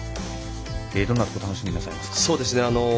どんなところを楽しみになさいますか？